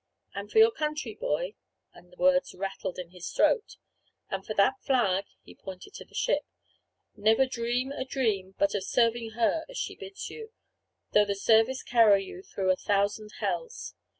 And for your country, boy," and the words rattled in his throat, "and for that flag," and he pointed to the ship, "never dream a dream but of serving her as she bids you, though the service carry you through a thousand hells.